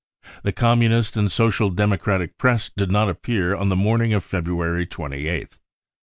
The Communist and Social Democratic Press did not appear on the morning of February 28th.